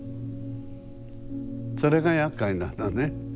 それがやっかいなのね。